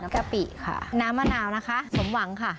กะปิค่ะน้ำมะนาวนะคะสมหวังค่ะ